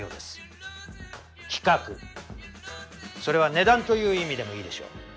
規格それは値段という意味でもいいでしょう。